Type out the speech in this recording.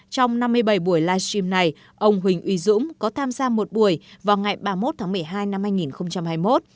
trong năm mươi bảy buổi livestream này ông huỳnh uy dũng có tham gia một buổi vào ngày ba mươi một tháng một mươi hai năm hai nghìn hai mươi một